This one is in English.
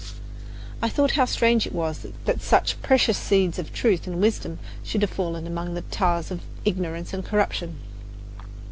I thought how strange it was that such precious seeds of truth and wisdom should have fallen among the tares of ignorance and corruption.